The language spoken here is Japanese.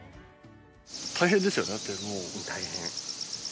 大変ですよねだってもう。